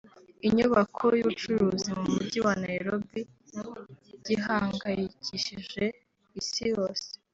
inyubako y’ubucuruzi mu mujyi wa Nairobi gihangayikishije Isi yose